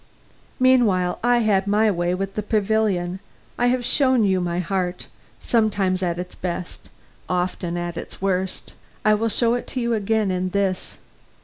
Meanwhile, I had my way with the pavilion. I have shown you my heart, sometimes at its best, oftenest at its worst. I will show it to you again in this.